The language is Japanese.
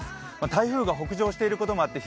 台風が北上していることもあって